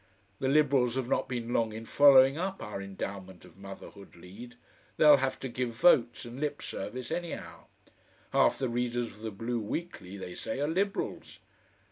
The Liberals have not been long in following up our Endowment of Motherhood lead. They'll have to give votes and lip service anyhow. Half the readers of the BLUE WEEKLY, they say, are Liberals....